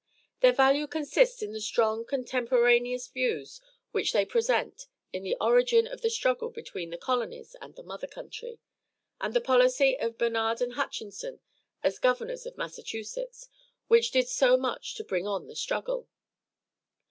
Their value consists in the strong, contemporaneous views which they present of the origin of the struggle between the colonies and the mother country, and the policy of Bernard and Hutchinson as governors of Massachusetts, which did so much to bring on the struggle.